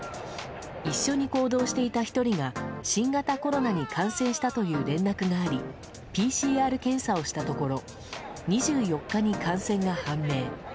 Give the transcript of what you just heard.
一緒に行動していた１人が新型コロナに感染したという連絡がありＰＣＲ検査をしたところ２４日に感染が判明。